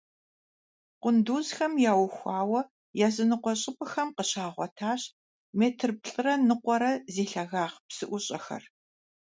Къундузхэм яухуауэ языныкъуэ щӀыпӀэхэм къыщагъуэтащ метр плӀырэ ныкъуэрэ зи лъагагъ псыӀущӀэхэр.